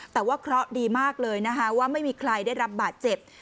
แต่ว่าเขาดีมากเลยว่าไม่มีใครได้รับบาดเจ็บ